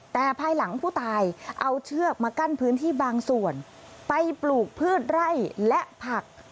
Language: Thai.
แต่ภายหลังผู้ตายเอาเชือกมากั้นพื้นที่บางส่วนไปปลูกพืชไร่และผัก